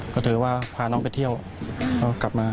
ก็ถือว่าพาน้องไปเที่ยวก็กลับมา